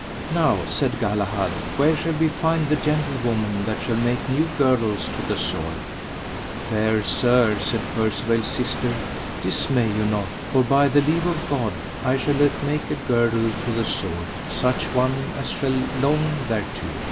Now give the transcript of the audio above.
Now, said Galahad, where shall we find the gentlewoman that shall make new girdles to the sword? Fair sir, said Percivale's sister, dismay you not, for by the leave of God I shall let make a girdle to the sword, such one as shall long thereto.